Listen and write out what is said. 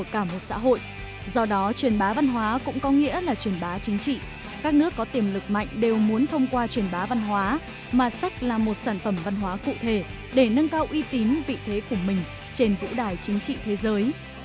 chủ tịch nhóm nghị sĩ hữu nghị đều muốn thông qua truyền bá văn hóa mà sách là một sản phẩm văn hóa cụ thể để nâng cao uy tín vị thế của mình trên vũ đài chính trị thế giới